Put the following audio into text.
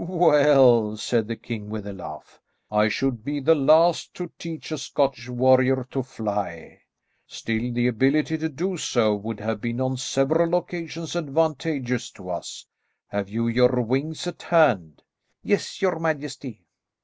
"Well," said the king with a laugh, "I should be the last to teach a Scottish warrior to fly; still the ability to do so would have been, on several occasions, advantageous to us. Have you your wings at hand?" "Yes, your majesty."